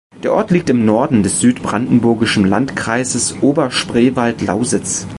Der Ort liegt im Norden des südbrandenburgischen Landkreises Oberspreewald-Lausitz.